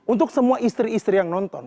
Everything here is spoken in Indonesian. untuk semua istri istri yang nonton